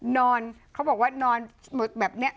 นอนเขาบอกว่านอนแบบนี้